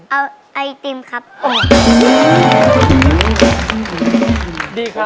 เอาไอติมครับ